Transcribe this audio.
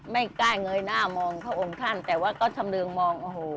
ไม่กล้าเงยหน้ามองพระองค์ท่านแต่ว่าก็ชำเรืองมองโอ้โห